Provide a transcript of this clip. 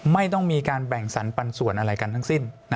ไม่ต้องมีการแบ่งสรรปันส่วนอะไรกันทั้งสิ้น